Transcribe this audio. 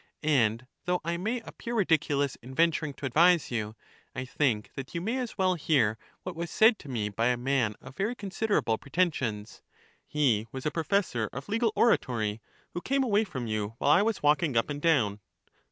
And though I may appear ridiculous in venturing to advise you, I think that you may as well hear what was said to me by a man of very considerable preten sions — he was a professor of legal oratory — who came away from you while I was walking up and down.